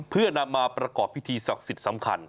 เพื่อนำมาประกอบพิธีศักดิ์สิทธิ์สำคัญ